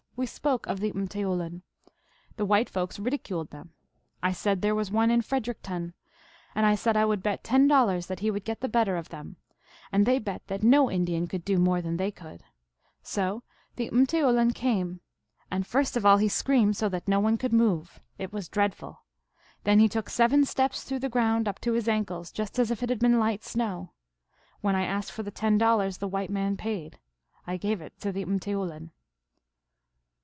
We spoke of the mteoulin. The white folks ridi culed them. I said there was one in Fredericton, and I said I would bet ten dollars that he would get the better of them. And they bet that no Indian could do more than they could. So the rrfteoulin came. And first of all he screamed so that no one could move. It was dreadful. Then he took seven steps through the ground up to his ankles, just as if it had been light snow. When I asked for the ten dollars, the white men paid. I gave it to the m teoulin."